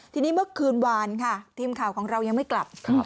ทีนี้เมื่อคืนวานค่ะทีมข่าวของเรายังไม่กลับ